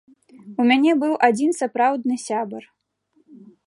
У мяне быў адзін сапраўдны сябар.